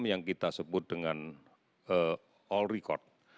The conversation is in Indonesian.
yang kita sebut dengan all record